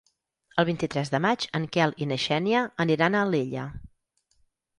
El vint-i-tres de maig en Quel i na Xènia aniran a Alella.